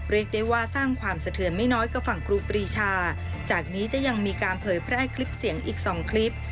เรียกได้ว่าสร้างความสะเทือนไม่น้อยกว่าฝั่งครูปรีชาจากนี้จะยังมีการเผยแพร่คลิปเสียงอีก๒คลิป